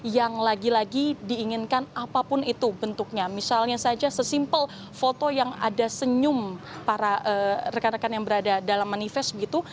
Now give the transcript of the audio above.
yang lagi lagi diinginkan apapun itu bentuknya misalnya saja sesimpel foto yang ada senyum para rekan rekan yang berada dalam manifest begitu